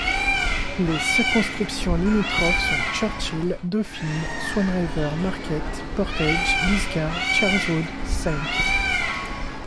Les circonscriptions limitrophes sont Churchill, Dauphin—Swan River—Marquette, Portage—Lisgar, Charleswood—St.